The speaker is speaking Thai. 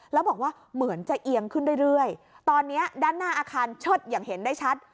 แล้วบอกว่าเหมือนจะเอียงขึ้นเรื่อยตอนนี้ด้านหน้าอาคารเชิดอย่างเห็นได้ชัด